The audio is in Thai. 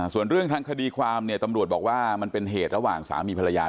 ส่วนเรื่องทางคดีความเนี่ยตำรวจบอกว่ามันเป็นเหตุระหว่างสามีภรรยา